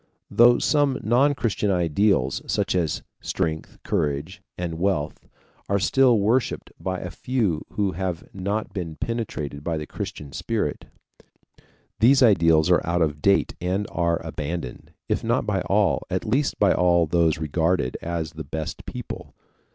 Though some non Christian ideals, such as strength, courage, and wealth, are still worshiped by a few who have not been penetrated by the Christian spirit, these ideals are out of date and are abandoned, if not by all, at least by all those regarded as the best people.